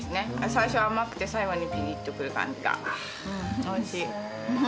最初甘くて最後にピリッとくる感じがおいしい。